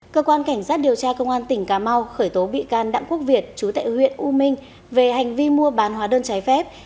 cơ quan cảnh sát điều tra công an tỉnh cà mau khởi tố bị can đặng quốc việt chú tại huyện u minh về hành vi mua bán hóa đơn trái phép